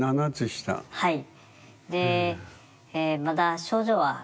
はい。